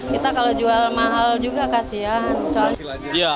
kita kalau jual mahal juga kasian